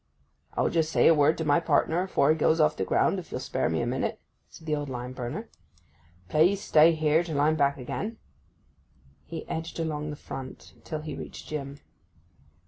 'I'll just say a word to my partner afore he goes off the ground, if you'll spare me a minute,' said the old lime burner. 'Please stay here till I'm back again.' He edged along the front till he reached Jim.